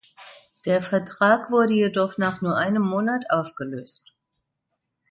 Der Vertrag wurde jedoch nach nur einem Monat aufgelöst.